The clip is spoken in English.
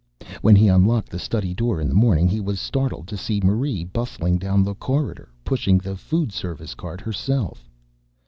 When he unlocked the study door in the morning he was startled to see Marie bustling down the corridor, pushing the food service cart herself.